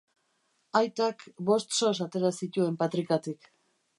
Aitak bost sos atera zituen patrikatik.